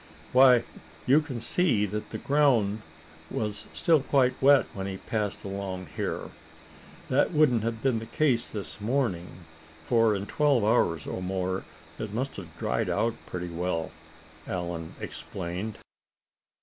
"Why, you can see that the ground was still quite wet when he passed along here. That wouldn't have been the case this morning, for in twelve hours or more it must have dried out pretty well," Allan explained.